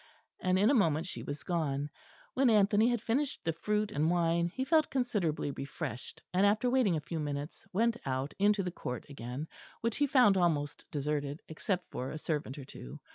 And in a moment she was gone. When Anthony had finished the fruit and wine, he felt considerably refreshed; and after waiting a few minutes, went out into the court again, which he found almost deserted, except for a servant or two.